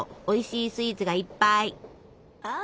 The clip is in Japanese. おいしいスイーツがいっぱい！